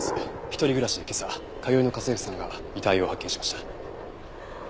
一人暮らしで今朝通いの家政婦さんが遺体を発見しました。